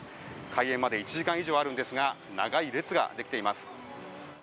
開園まで１時間以上あるんですが長い列ができています。